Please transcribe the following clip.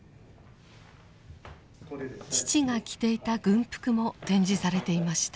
父が着ていた軍服も展示されていました。